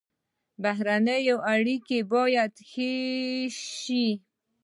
بهرنۍ اړیکې باید ښې شي